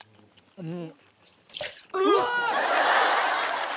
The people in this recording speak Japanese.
うん。